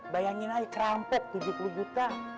bayangin aja kerampet tujuh puluh juta